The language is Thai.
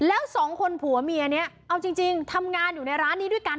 แล้วสองคนผัวเมียนี้เอาจริงทำงานอยู่ในร้านนี้ด้วยกัน